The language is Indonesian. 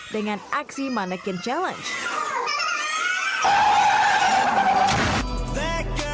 dengan aksi manekin challenge